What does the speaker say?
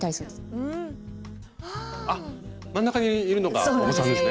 真ん中にいるのがお子さんですね。